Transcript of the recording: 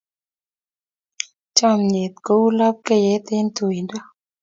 Chomnyet kou lapkeiyet eng tuindo.